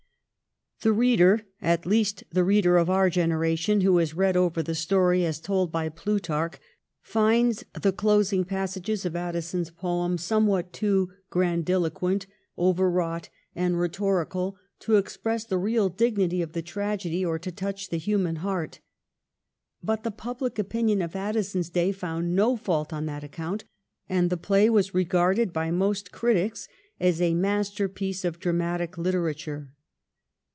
The reader — at least the reader of our genera tion who has read over the story as told by Plutarch — finds the closing passages of Addison's poem somewhat too grandiloquent, overwrought, and rhe torical to express the real dignity of the tragedy, or to touch the human heart. But the pubhc opinion of Addison's day found no fault on that account, and the Dlay was regarded by most critics as a master piece of dramatic literature.